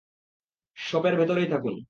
শপের ভেতরেই থাকুন।